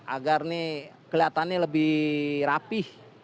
agar ini kelihatannya lebih rapih